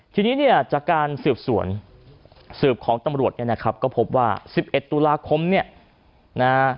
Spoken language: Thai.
ทีนี้เนี่ยจากการสืบสวนสืบของตำรวจเนี่ยนะครับก็พบว่า๑๑ตุลาคมเนี่ยนะฮะ